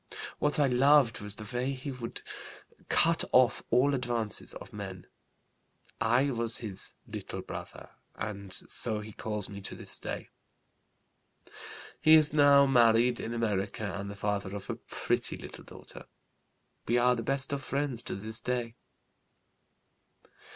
What I loved was the way he would cut off all advances of men, I was his 'little brother' and so he calls me to this day. He is now married in America, and the father of a pretty little daughter. We are the best of friends to this day.